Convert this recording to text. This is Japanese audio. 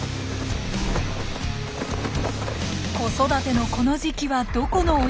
子育てのこの時期はどこの親も必死。